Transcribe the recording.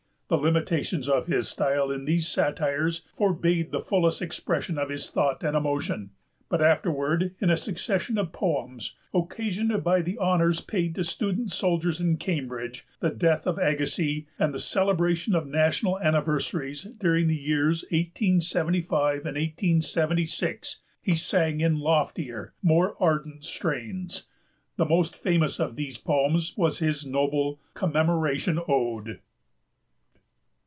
The limitations of his style in these satires forbade the fullest expression of his thought and emotion; but afterward in a succession of poems, occasioned by the honors paid to student soldiers in Cambridge, the death of Agassiz, and the celebration of national anniversaries during the years 1875 and 1876, he sang in loftier, more ardent strains. The most famous of these poems was his noble Commemoration Ode.